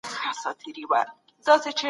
خوب باید منظم وي.